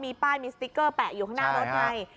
มีป้ายมีสติ๊กเกอร์แปะอยู่ข้างหน้ารถไง